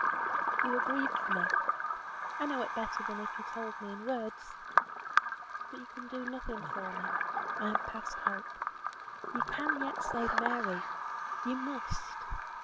"You are grieved for me! I know it better than if you told me in words. But you can do nothing for me. I am past hope. You can yet save Mary. You must.